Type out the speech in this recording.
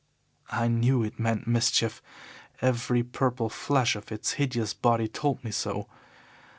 "I knew that it meant mischief. Every purple flush of its hideous body told me so.